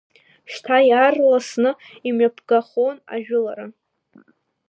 Шьҭа иаарласны имҩаԥгахон ажәылара.